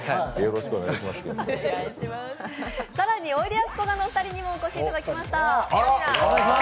更に、おいでやすこがのお二人にもお越しいただきました。